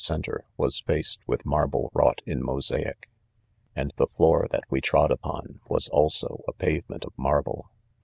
■■• centre, ' was faced with marble wrought in mosaic, and the ■ floors that we trod upony was also a pavement of 'marble.